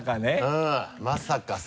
うんまさかさ。